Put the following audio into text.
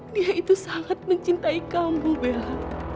nia itu sangat mencintai kamu bella